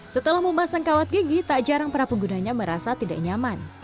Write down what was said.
setelah memasang kawat gigi tak jarang para penggunanya merasa tidak nyaman